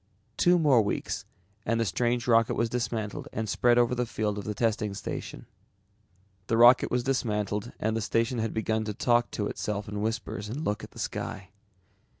Two more weeks and the strange rocket was dismantled and spread over the field of the testing station. The rocket was dismantled and the station had begun to talk to itself in whispers and look at the sky.